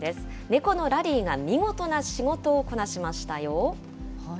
猫のラリーが見事な仕事をこなしましたよ。